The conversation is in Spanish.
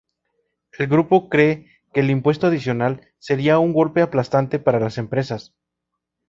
El grupo cree que el impuesto adicional sería un "golpe aplastante" para las empresas.